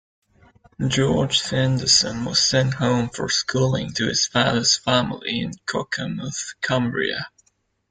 George Sanderson was sent home for schooling to his father's family in Cockermouth, Cumbria.